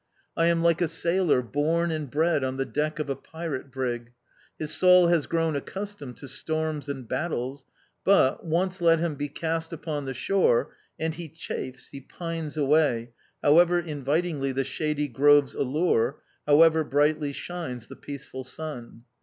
I am like a sailor born and bred on the deck of a pirate brig: his soul has grown accustomed to storms and battles; but, once let him be cast upon the shore, and he chafes, he pines away, however invitingly the shady groves allure, however brightly shines the peaceful sun.